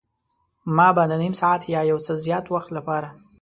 ما به د نیم ساعت یا یو څه زیات وخت لپاره.